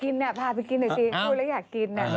พาไปกินหน่อยสิพูดแล้วอยากกิน